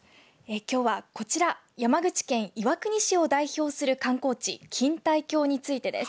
きょうはこちら山口県岩国市を代表する観光地錦帯橋についてです。